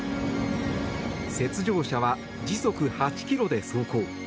雪上車は時速８キロで走行。